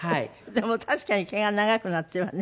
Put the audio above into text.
でも確かに毛が長くなってるわね。